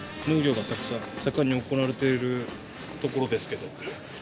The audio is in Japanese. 農業がたくさん盛んに行われているところですけど。